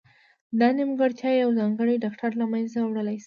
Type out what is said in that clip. دا نیمګړتیا یو ځانګړی ډاکټر له منځه وړلای شي.